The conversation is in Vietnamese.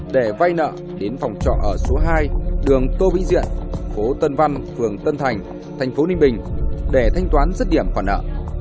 để vay nợ đến phòng trọ ở số hai đường tô vĩnh diện phố tân văn phường tân thành thành phố ninh bình để thanh toán rứt điểm khoản nợ